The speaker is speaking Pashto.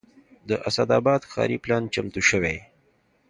د اسداباد ښاري پلان چمتو شوی